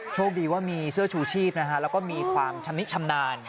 โชคดีว่ามีเสื้อชูชีพนะฮะแล้วก็มีความชำนิชำนาญ